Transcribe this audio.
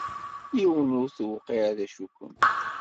Yiwen ur t-tewqiε d acu-kem.